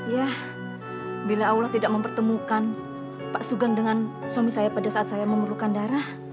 ya bila allah tidak mempertemukan pak sugeng dengan suami saya pada saat saya memerlukan darah